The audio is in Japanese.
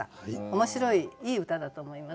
面白いいい歌だと思います。